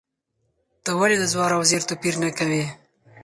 ته ولې د زور او زېر توپیر نه کوې؟